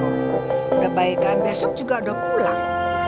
udah baik kan besok juga udah pulang